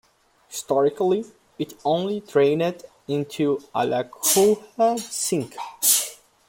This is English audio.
Historically it only driained into Alachua Sink.